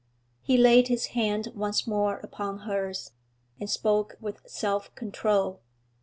He laid his hand once more upon hers, and spoke with self control.